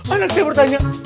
anak saya bertanya